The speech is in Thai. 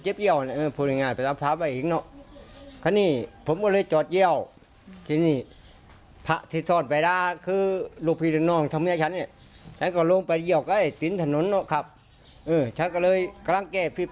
ก็ลงไปหยอกใกล้เต็มถนนครับเออฉันก็เลยกำลังเกะอาจรีบ